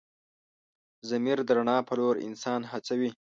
ضمیر د رڼا په لور انسان هڅوي.